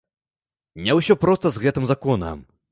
Не ўсё проста з гэтым законам.